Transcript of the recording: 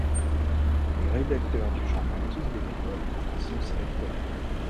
Les rédacteurs du journal, tous bénévoles, en sont ses lecteurs.